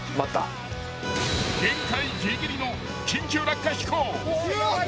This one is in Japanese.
限界ギリギリの緊急落下飛行。